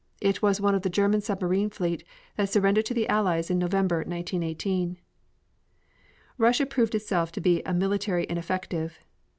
It was one of the German submarine fleet surrendered to the Allies in November, 1918. Russia proved itself to be a military ineffective.